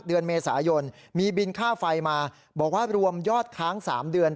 เดือนเมษายนมีบินค่าไฟมาบอกว่ารวมยอดค้าง๓เดือน